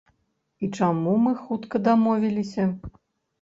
І чаму мы хутка дамовіліся?